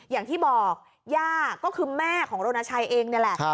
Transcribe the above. อย่างที่บอกย่าก็คือแม่ของโรนาชัยเองนี่แหละ